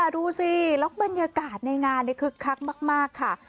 ดูสิแล้วบรรยากาศในงานคึกคักมากค่ะ